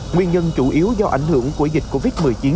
nguyên nhân chủ yếu do ảnh hưởng của dịch covid một mươi chín